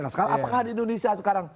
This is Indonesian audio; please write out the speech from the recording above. nah sekarang apakah di indonesia sekarang